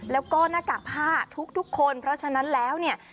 แล้วก็หน้ากากผ้าทุกคนเพราะฉะนั้นแล้วเนี่ย